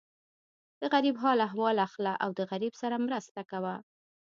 د غریب حال احوال اخله او د غریب سره مرسته کوه.